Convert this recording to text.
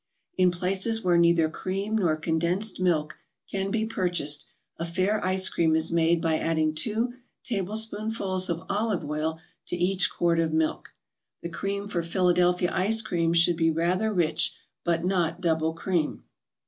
In places where neither cream nor condensed milk can be purchased, a fair ice cream is made by adding two tablespoonfuls of olive oil to each quart of milk. The cream for Philadelphia Ice Cream should be rather rich, but not double cream.